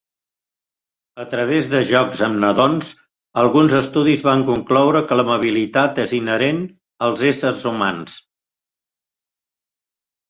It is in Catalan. A través de jocs amb nadons, alguns estudis van concloure que l'amabilitat és inherent als éssers humans.